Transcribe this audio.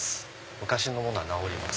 昔のものは直ります。